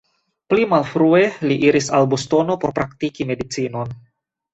Pli malfrue li iris al Bostono por praktiki medicinon.